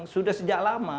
sudah sejak lama